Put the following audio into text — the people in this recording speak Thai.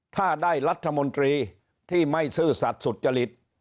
ถ้าได้รัฐมนตรีที่ไม่ซื่อสัตว์สุจริต